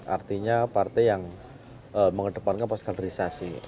artinya partai yang mengedepankan pos kaderisasi